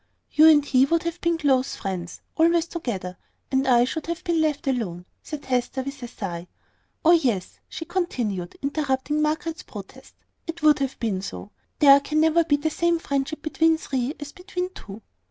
"You and he would have been close friends always together, and I should have been left alone," said Hester, with a sigh. "Oh, yes," she continued, interrupting Margaret's protest, "it would have been so. There can never be the same friendship between three as between two."